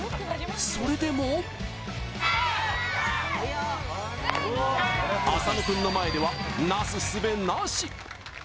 それでも浅野君の前では、なす術なし。